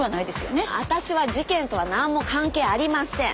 私は事件とはなんも関係ありません。